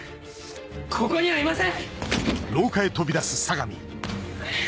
ここにはいません！